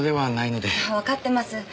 わかってます。